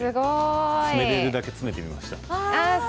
詰められるだけ詰めてみました。